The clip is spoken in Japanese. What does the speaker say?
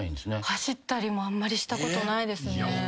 走ったりもあんまりしたことないですね。